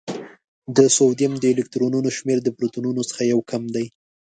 د سوډیم د الکترونونو شمېر د پروتونونو څخه یو کم دی.